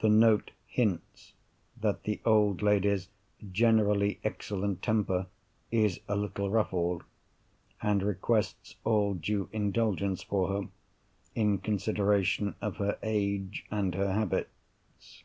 The note hints that the old lady's generally excellent temper is a little ruffled, and requests all due indulgence for her, in consideration of her age and her habits.